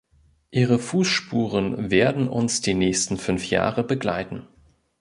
Ihre Fußspuren werden uns die nächsten fünf Jahre begleiten.